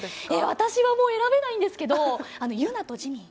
私はもう選べないんですけどユナとジミン。